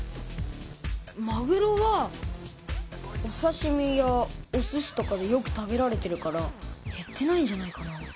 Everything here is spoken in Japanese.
まぐろはおさしみやおすしとかでよく食べられてるからへってないんじゃないかな。